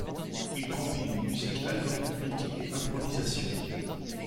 Il combine musique algorithmique et improvisation.